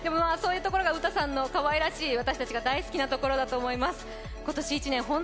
そういうところがウタさんのかわいらしい、私たちの大好きなところだと思います。